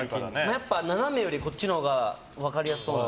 やっぱ斜めよりこっちのほうが分かりやすいので。